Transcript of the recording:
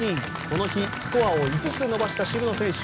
この日、スコアを５つ伸ばした渋野選手。